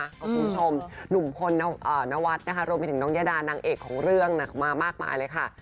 คุณผู้ชมหนุ่มพลนวัฒน์นะคะรวมไปถึงน้องยาดานางเอกของเรื่องมามากมายเลยค่ะ